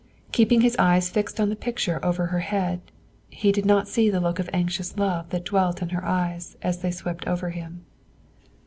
Keeping his eyes fixed on the picture over her head, he did not see the look of anxious love that dwelt in her eyes as they swept over him.